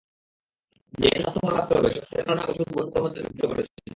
যেহেতু স্বাস্থ্য ভালো রাখতে হবে, স্বাস্থ্যের কারণে ওষুধ বন্ধুত্বের মধ্যে ঢুকে পড়েছে।